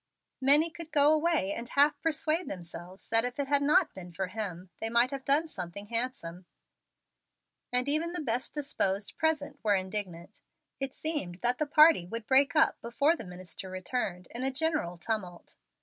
Many could go away and half persuade themselves that if it had not been for him they might have done something handsome, and even the best disposed present were indignant. It seemed that the party would break up, before the minister returned, in a general tumult.